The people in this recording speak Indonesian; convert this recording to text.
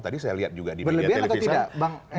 tadi saya lihat juga di media televisi